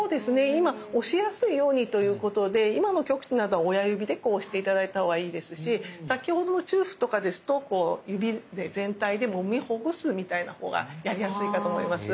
今押しやすいようにということで今の曲池などは親指で押して頂いたほうがいいですし先ほどの中府とかですとこう指で全体でもみほぐすみたいなほうがやりやすいかと思います。